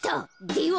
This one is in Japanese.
では。